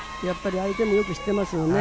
相手もよく知っていますよね。